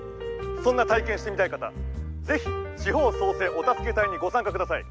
そんな体験してみたい方ぜひ地方創生お助け隊にご参加ください。